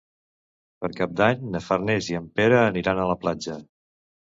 Per Cap d'Any na Farners i en Pere aniran a la platja.